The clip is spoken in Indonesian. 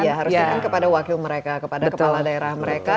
harus dikirakan kepada wakil mereka kepada kepala daerah mereka